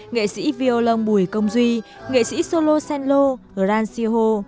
nghệ sĩ violon bùi công duy nghệ sĩ solo senlo grand sihô